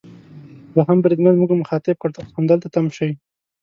دوهم بریدمن موږ مخاطب کړ: تاسو همدلته تم شئ.